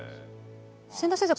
千田先生